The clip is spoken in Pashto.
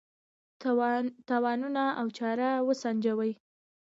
تاوانونه او چاره وسنجوي.